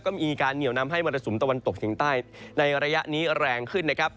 ก็มีการเหนียวนำให้มรสุมตะวันตกเฉียงใต้ในระยะนี้แรงขึ้นนะครับ